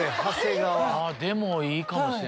でもいいかもしれん。